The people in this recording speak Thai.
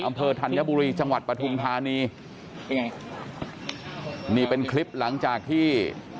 อำเภอทัญบุรีจังหวัดปฐุมภานีเป็นไงนี่เป็นคลิปหลังจากที่